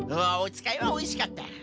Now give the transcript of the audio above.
あおつかいはおいしかった。